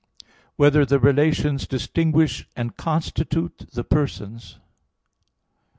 (2) Whether the relations distinguish and constitute the persons?